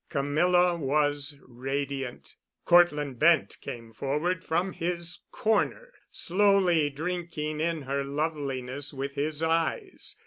Camilla was radiant. Cortland Bent came forward from his corner, slowly drinking in her loveliness with his eyes.